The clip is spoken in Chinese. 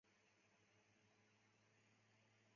武隆园蛛为园蛛科园蛛属的动物。